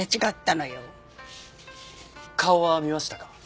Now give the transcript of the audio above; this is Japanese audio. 顔は見ましたか？